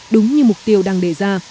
đúng như mục tiêu đang đề ra